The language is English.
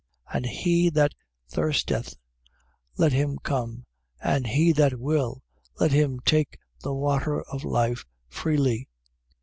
And he that thirsteth, let him come. And he that will, let him take the water of life, freely.